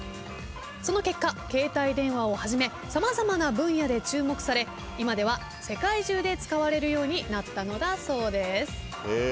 その結果携帯電話をはじめ様々な分野で注目され今では世界中で使われるようになったのだそうです。